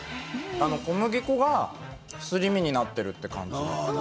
小麦粉がすり身になっているという感じ。